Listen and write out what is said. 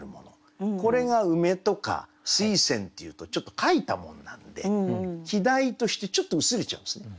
これが梅とか水仙っていうとちょっと描いたもんなんで季題としてちょっと薄れちゃうんですね。